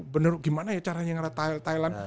bener gimana ya caranya ngerat thailand